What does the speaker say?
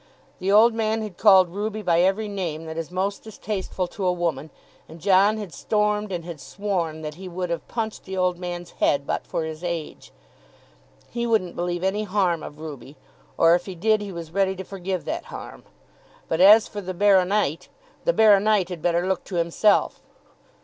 The old man had called Ruby by every name that is most distasteful to a woman, and John had stormed and had sworn that he would have punched the old man's head but for his age. He wouldn't believe any harm of Ruby, or if he did he was ready to forgive that harm. But as for the Baro nite; the Baro nite had better look to himself!